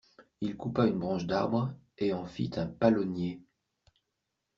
Il coupa une branche d'arbre et en fit un palonnier.